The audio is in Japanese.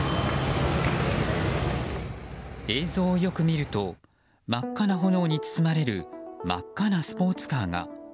映像をよく見ると真っ赤な炎に包まれる真っ赤なスポーツカーが。